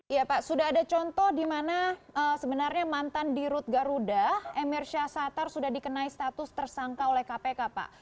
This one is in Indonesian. iya pak sudah ada contoh di mana sebenarnya mantan dirut garuda emir syahsatar sudah dikenai status tersangka oleh kpk pak